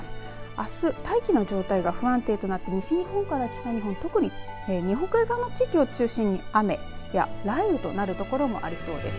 あす、大気の状態が不安定となって西日本から北日本特に日本海側の地域を中心に雨や雷雨となるところもありそうです。